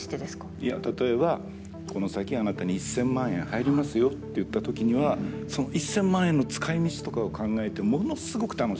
いや例えば「この先あなたに１，０００万円入りますよ」っていった時にはその１，０００万円の使いみちとかを考えてものすごく楽しいんです。